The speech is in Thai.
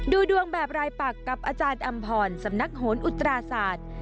ดูดวงแบบรายปักกับอาจารย์อำพรสำนักโหนอุตราศาสตร์